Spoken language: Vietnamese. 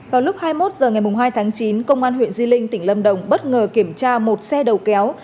vào lúc hai mươi một h ngày hai tháng chín công an huyện di linh tỉnh lâm đồng bất ngờ kiểm tra một xe đầu kéo